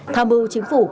tham mưu chính phủ